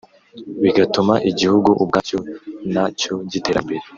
bigatuma igihugu ubwacyo na cyo gitera imbere